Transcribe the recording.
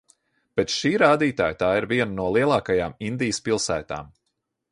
Pēc šī rādītāja tā ir viena no lielākajām Indijas pilsētām.